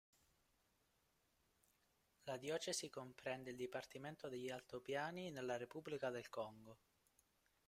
La diocesi comprende il dipartimento degli Altopiani nella repubblica del Congo.